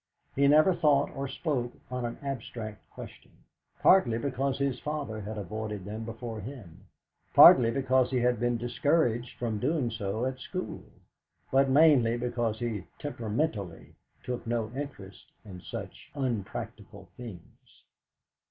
He never thought or spoke on an abstract question; partly because his father had avoided them before him, partly because he had been discouraged from doing so at school, but mainly because he temperamentally took no interest in such unpractical things.